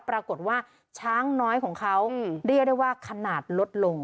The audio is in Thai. ปรากฏว่าช้างน้อยของเขาเรียกได้ว่าขนาดลดลง